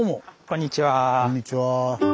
こんにちは。